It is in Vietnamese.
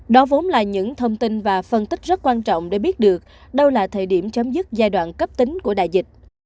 đó vốn là những thông tin và phân tích rất quan trọng để biết được đâu là thời điểm chấm dứt giai đoạn cấp tính của đại dịch